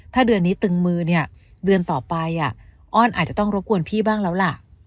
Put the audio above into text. ถ้าเดือนนี้ตึงมือเนี่ยเดือนต่อไปอ้อนอาจจะต้องรบกวนพี่บ้างแล้วล่ะ